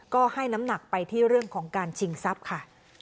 ก็ให้น้ำหนักไปที่เรื่องของการชิงทรัพย์ค่ะ